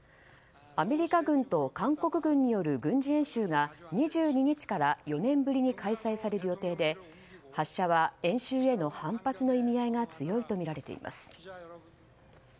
アメリカ軍と韓国軍による軍事演習が２２日から４年ぶりに開催される予定で発射は演習への反発の意味合いが強いとみられています。